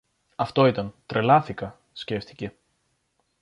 Αυτό ήταν, τρελάθηκα, σκέφτηκε